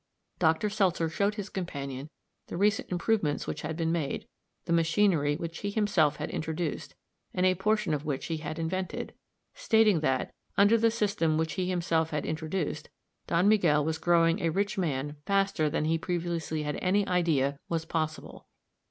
Dr. Seltzer showed his companion the recent improvements which had been made; the machinery which he himself had introduced, and a portion of which he had invented; stating that, under the system which he himself had introduced, Don Miguel was growing a rich man faster than he previously had any idea was possible.